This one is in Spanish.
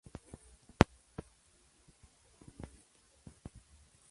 Al final, consigue reinar nuevamente.